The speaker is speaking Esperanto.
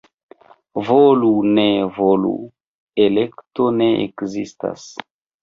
Volu-ne-volu — elekto ne ekzistas.